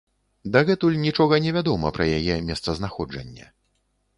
Дагэтуль нічога не вядома пра яе месцазнаходжанне.